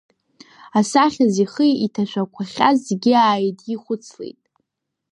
Асахьаз ихы иҭашәақәахьаз зегьы ааидихәыцлеит.